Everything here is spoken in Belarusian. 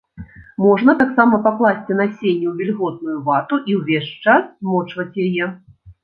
Можна таксама пакласці насенне ў вільготную вату і ўвесь час змочваць яе.